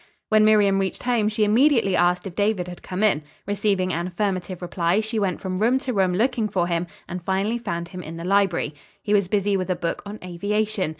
When Miriam reached home she immediately asked if David had come in. Receiving an affirmative reply, she went from room to room looking for him, and finally found him in the library. He was busy with a book on aviation.